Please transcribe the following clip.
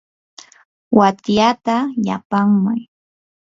watyata yapaamay.